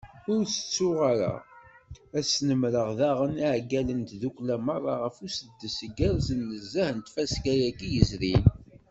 Ur tettuɣ ara ad snemreɣ daɣen iɛeggalen n tddukkla meṛṛa ɣef usuddes igerrzen nezzeh n tfaska-agi yezrin.